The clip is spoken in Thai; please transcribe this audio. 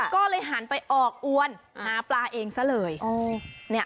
ก็เลยหันไปออกอวนหาปลาเองซะเลย